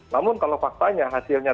namun kalau faktanya hasilnya